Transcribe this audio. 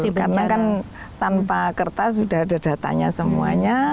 karena kan tanpa kertas sudah ada datanya semuanya